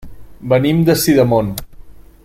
Venim de Sidamon.